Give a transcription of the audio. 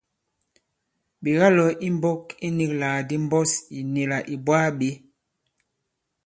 Ɓè kalɔ̀ i mbɔ̄k i nīglàk ndi mbɔs ì nì là ì bwaa bě.